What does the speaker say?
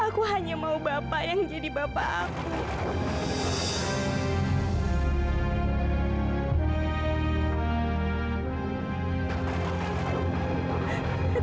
aku hanya mau bapak yang jadi bapak aku